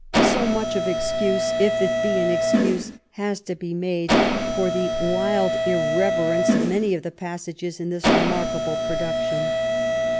So much of excuse, if it be an excuse, has to be ^ made for the wild irreverence of many passages in L this remarkable production.